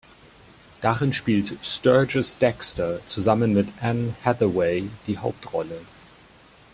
Darin spielt Sturgess Dexter zusammen mit Anne Hathaway die Hauptrolle.